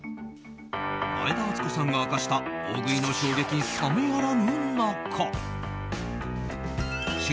前田敦子さんが明かした大食いの衝撃冷めやらぬ中